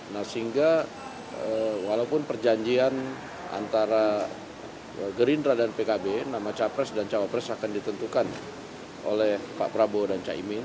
nah sehingga walaupun perjanjian antara gerindra dan pkb nama capres dan cawapres akan ditentukan oleh pak prabowo dan caimin